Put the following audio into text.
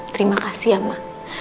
terima kasih ya ma